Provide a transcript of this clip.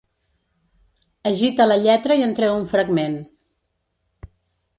Agita la lletra i en treu un fragment.